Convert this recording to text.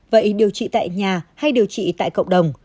vậy điều trị tại nhà hay điều trị tại cộng đồng